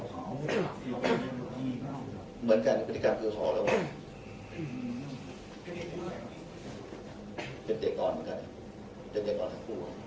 เหมือนกันกุฏิกรรมคือหอแล้วนะครับเป็นเด็กตอนเหมือนกันนะครับเป็นเด็กตอนทั้งคู่ครับ